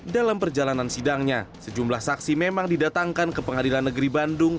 dalam perjalanan sidangnya sejumlah saksi memang didatangkan ke pengadilan negeri bandung